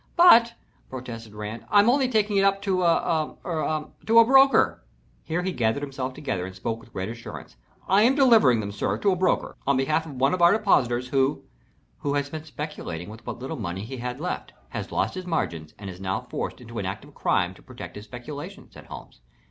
"But," protested Rand, "I'm only taking them up to to a er to a broker." Here he gathered himself together and spoke with greater assurance. "I am delivering them, sir, to a broker, on behalf of one of our depositors who " "Who has been speculating with what little money he had left, has lost his margins, and is now forced into an act of crime to protect his speculation," said Holmes.